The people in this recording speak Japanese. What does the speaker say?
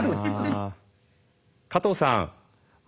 加藤さん